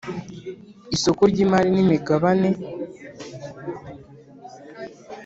isoko ry’ imari n’ imigabane